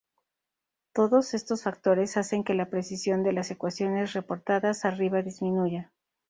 Todos estos factores hacen que la precisión de las ecuaciones reportadas arriba disminuya.